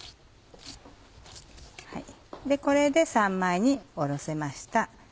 これで三枚におろせました。